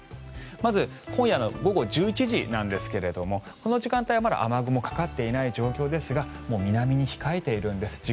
まず今夜の午後１１時なんですがこの時間帯はまだ雨雲がかかっていない状況ですがもう南に控えているんです。